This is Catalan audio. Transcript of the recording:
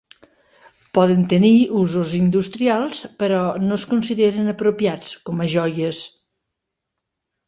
Poden tenir usos industrials però no es consideren apropiats com a joies.